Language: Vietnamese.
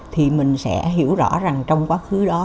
thì mình sẽ hiểu rõ rằng trong quá khứ đó